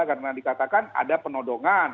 karena dikatakan ada penodongan